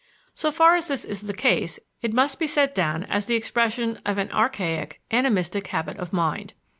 So far as this is the case it must be set down as the expression of an archaic, animistic habit of mind.